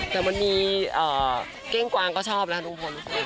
แต่มันมีเก้งกวางก็ชอบแล้วลุงพล